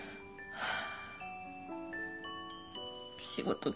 ハァ。